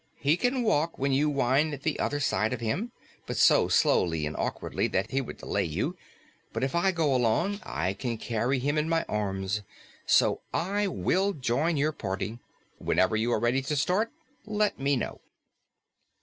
He can walk when you wind the other side of him, but so slowly and awkwardly that he would delay you. But if I go along, I can carry him in my arms, so I will join your party. Whenever you are ready to start, let me know."